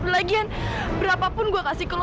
lagian berapapun gue kasih ke lo